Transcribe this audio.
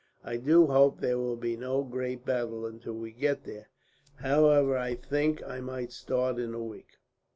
I do hope there will be no great battle until we get there. I should think I might start in a week."